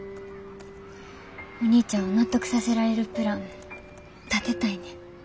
お兄ちゃんを納得させられるプラン立てたいねん。